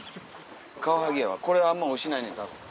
カワハギやわこれはおいしないねんたぶん。